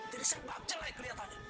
jadi sebab jelek kelihatannya